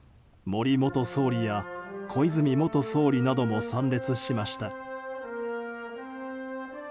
森元総理や小泉元総理なども参列しました。